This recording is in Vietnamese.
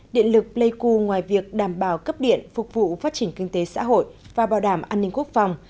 điện lực pleiku ngoài việc đảm bảo cấp điện phục vụ phát triển kinh tế xã hội và bảo đảm an ninh quốc phòng